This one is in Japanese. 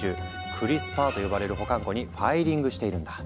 「クリスパー」と呼ばれる保管庫にファイリングしているんだ。